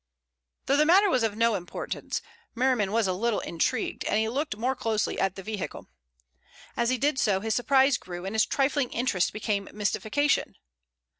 Though the matter was of no importance, Merriman was a little intrigued, and he looked more closely at the vehicle. As he did so his surprise grew and his trifling interest became mystification.